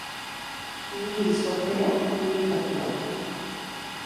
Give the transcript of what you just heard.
Nire zortea, nire patua.